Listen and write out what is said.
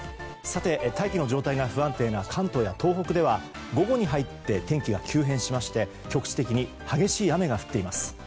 大気の状態が不安定な関東や東北では午後に入って天気が急変しまして局地的に激しい雨が降っています。